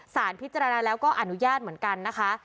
สารพิจารณาแล้วก็อนุญาตเหมือนกันนะคะ